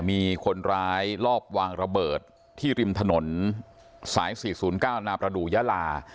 มีคนร้ายลอบวางระเบิดที่ริมถนนสายสี่ศูนย์เก้านาประดูยลา